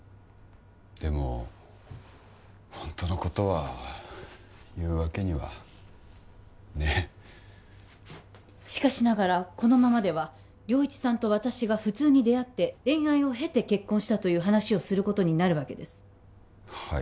でもホントのことは言うわけにはねっしかしながらこのままでは良一さんと私が普通に出会って恋愛をへて結婚したという話をすることになるわけですはい